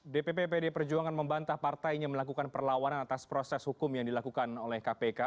dpp pd perjuangan membantah partainya melakukan perlawanan atas proses hukum yang dilakukan oleh kpk